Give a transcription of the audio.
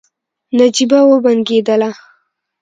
نجيبه وبنګېدله.